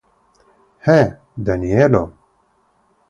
He, Danielo!